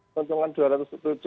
keuntungan rp dua tujuh triliun